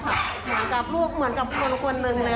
เหมือนกับลูกเหมือนกับคนเลยค่ะ